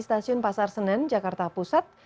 stasiun pasar senen jakarta pusat